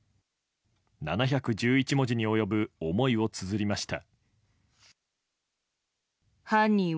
７１１文字に及ぶ思いをつづりました。